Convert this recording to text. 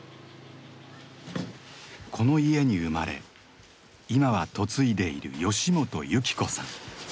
この家に生まれ今は嫁いでいる吉本幸子さん。